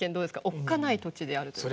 おっかない土地であるという。